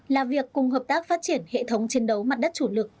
là việc cùng hợp tác phát triển hệ thống chiến đấu mặt đất chủ lực